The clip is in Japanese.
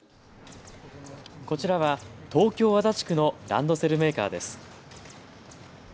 こちらは東京足立区のランドセルメーカーです。